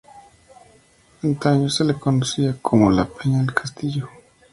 Antaño se la conocida como la "Peña del Castillo".